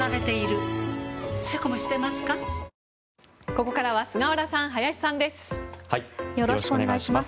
ここからは菅原さん、林さんです。